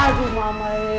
aduh pak mai